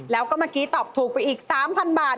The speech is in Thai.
แล้วก็เมื่อกี้ตอบถูกไปอีก๓๐๐บาท